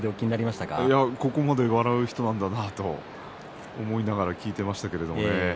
ここまで笑う人なんだなと思いながら聞いていました。